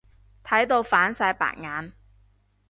睇到反晒白眼。